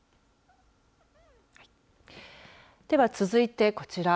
では、続いてこちら。